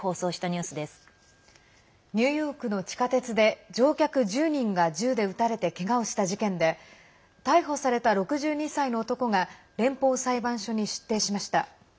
ニューヨークの地下鉄で乗客１０人が銃で撃たれてけがをした事件で逮捕された６２歳の男が連邦裁判所に出廷しました。